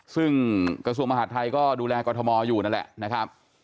ซึ่งกระทรวงมหาดไทยก็ดูแลกรทมอยู่นั่นแหละนะครับ